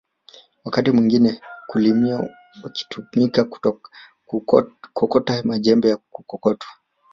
Wakati mwingine kulimia wakitumika kukokota majembe ya kukokotwa